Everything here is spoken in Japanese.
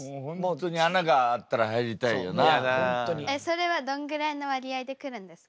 それはどんぐらいの割合で来るんですか？